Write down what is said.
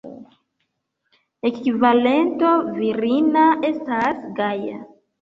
Ekvivalento virina estas Gaja.